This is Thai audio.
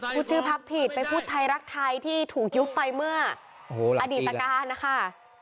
พูดชื่อพักผิดไปพูดไทยรักไทยที่ถูกยุบไปเมื่ออดีตการนะคะ